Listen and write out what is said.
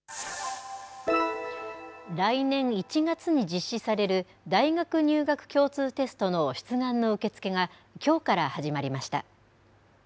来年１月に実施される、大学入学共通テストの出願の受け付けがきょうから始まりました。